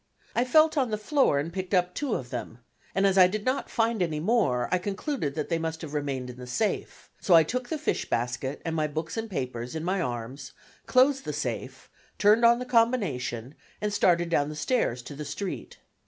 I felt on the floor and picked up two of them, and as I did not find any more I concluded that they must have remained in the safe; so I took the fish basket and my books and papers in my arms, closed the safe, turned on the combination, and started down the stairs to the street.